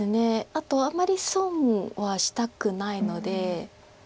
あとあんまり損はしたくないので。